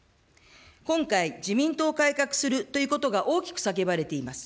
今回、自民党を改革するということが大きく叫ばれています。